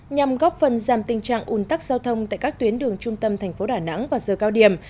nhằm góp phần giảm tình trạng ủn tắc giao thông tại các tuyến đường trung tâm thành phố đà nẵng vào giờ cao điểm